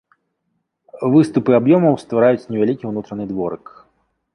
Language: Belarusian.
Выступы аб'ёмаў ствараюць невялікі ўнутраны дворык.